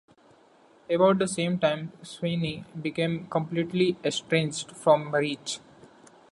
About the same time Swiney became completely estranged from Rich.